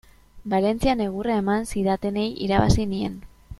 Valentzian egurra eman zidatenei irabazi nien.